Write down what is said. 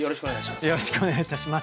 よろしくお願いします。